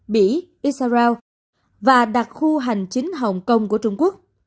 bỉ israel và đặc khu hành chính hồng kông của trung quốc